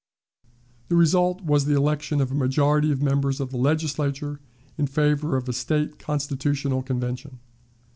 The result was the election of a majority of members of the Legislature in favor of a State Constitutional Convention.